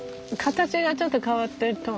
形がちょっと変わってる。